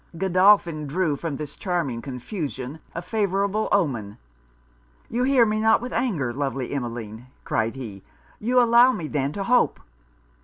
Godolphin drew from this charming confusion a favourable omen. 'You hear me not with anger, lovely Emmeline!' cried he 'You allow me, then, to hope?'